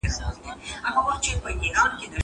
ته ولي بوټونه پاکوې؟